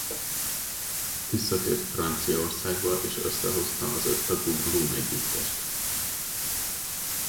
Visszatért Franciaországba és összehozta az öttagú Bloom együttest.